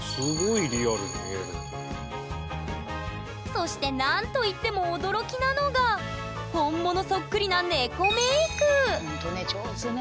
そして何といっても驚きなのが本物そっくりなほんとね上手ね。